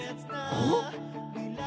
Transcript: おっ？